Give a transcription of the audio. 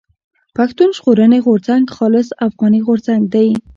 پښتون ژغورني غورځنګ خالص افغاني غورځنګ دی.